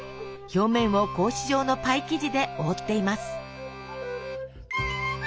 表面を格子状のパイ生地で覆っています。